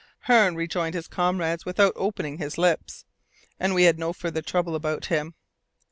Hearne rejoined his comrades without opening his lips, and we had no further trouble about him.